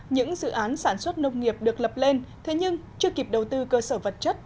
những dự án sản xuất nông nghiệp được lập lên thế nhưng chưa kịp đầu tư cơ sở vật chất